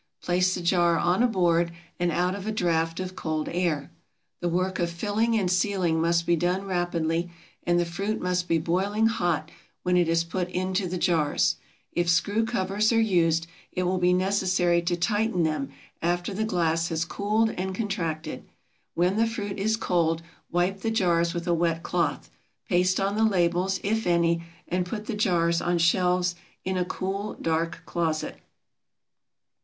Place the jar on a board and out of a draft of cold air. The work of filling and sealing must be done rapidly, and the fruit must be boiling hot when it is put into the jars. If screw covers are used, it will be necessary to tighten them after the glass has cooled and contracted. When the fruit is cold wipe the jars with a wet cloth. Paste on the labels, if any, and put the jars on shelves in a cool, dark closet.